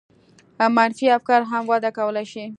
منفي افکار هم وده کولای شي.